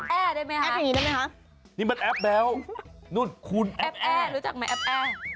แอปแอร์ได้ไหมคะนี่มันแอปแบ๊วนู่นคุณแอปแอร์รู้จักไหมแอปแอร์